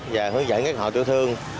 và hướng dẫn các họ tiểu thương